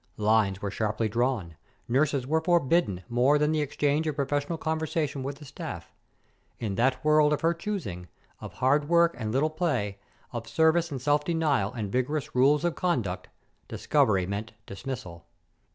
Lines were sharply drawn. Nurses were forbidden more than the exchange of professional conversation with the staff. In that world of her choosing, of hard work and little play, of service and self denial and vigorous rules of conduct, discovery meant dismissal.